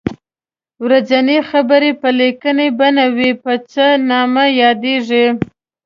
ورځنۍ خبرې په لیکنۍ بڼه وي په څه نامه یادیږي.